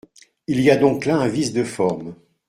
Il y a donc là un vice de forme.